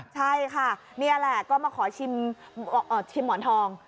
ใช่ค่ะนี่แหละก็มาขอชิมชิมหมอนทอง